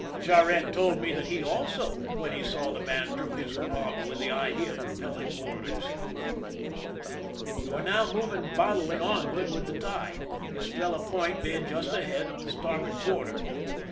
Charette told me that he also, when he saw the man, drew his revolver with the idea of repelling boarders. We were now moving bodily onward with the tide, Estrella Point being just ahead of the star board quarter.